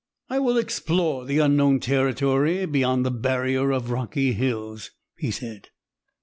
"I will explore the unknown territory beyond the barrier of rocky hills," he said.